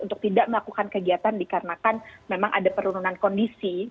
untuk tidak melakukan kegiatan dikarenakan memang ada penurunan kondisi